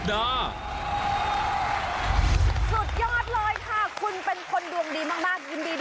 คาถาที่สำหรับคุณ